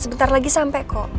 sebentar lagi sampe kok